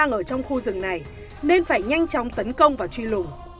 tâm đang ở trong khu rừng này nên phải nhanh chóng tấn công và truy lùng